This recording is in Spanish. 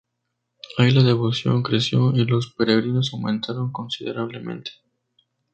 Ahí la devoción creció y los peregrinos aumentaron considerablemente.